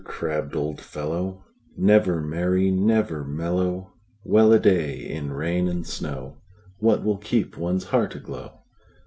crabbed old fellow, Never merry, never mellow! Well a day! in rain and snowWhat will keep one's heart aglow?